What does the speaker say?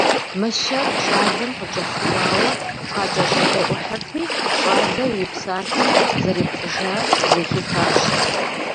Мыщэр щӏалэм къыкӏэлъыкӏуауэ къакӏэщӏэдэӏухьырти, щӏалэр и псалъэм зэрепцӏыжар зэхихащ.